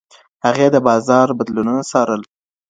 هغې د بازار بدلونونه څارل.